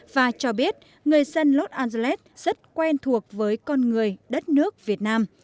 và cho biết người dân los angeles rất quen thuộc với con người đất nước việt nam